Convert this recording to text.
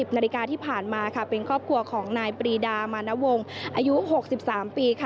นาฬิกาที่ผ่านมาเป็นครอบครัวของนายปรีดามานวงอายุ๖๓ปี